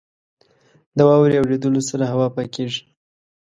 • د واورې اورېدو سره هوا پاکېږي.